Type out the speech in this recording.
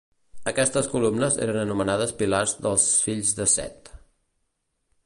Aquestes columnes eren anomenades Pilars dels fills de Set.